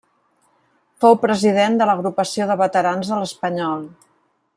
Fou president de l'Agrupació de Veterans de l'Espanyol.